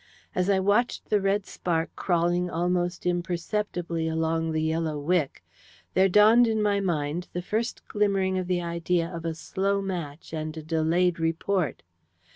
As I watched the red spark crawling almost imperceptibly along the yellow wick, there dawned in my mind the first glimmering of the idea of a slow match and a delayed report.